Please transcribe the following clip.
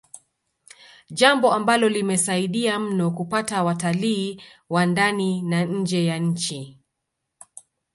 Jambo ambalo limesaidia mno kupata watalii wa ndani na nje ya nchi